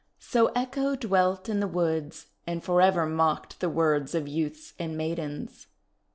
So Echo dwelt in the woods, and forever mocked the words of youths and maidens.